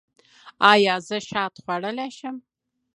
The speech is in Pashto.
ایا زه شات خوړلی شم؟